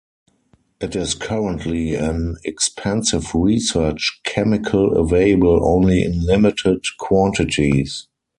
It is currently an expensive research chemical available only in limited quantities.